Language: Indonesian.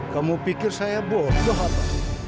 kamu pikir saya bodoh apa